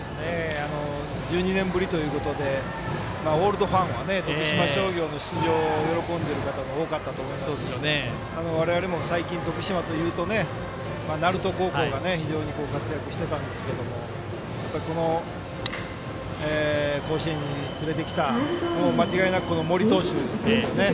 １２年ぶりということでオールドファンは徳島商業の出場を喜んでいる方も多かったと思いますし我々も最近、徳島というと鳴門高校が活躍していたんですがこの甲子園に連れてきた間違いなく森投手ですよね。